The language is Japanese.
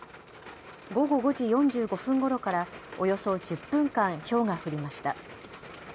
午後５時４５分ごろからおよそ１０分間ひょうが降りました。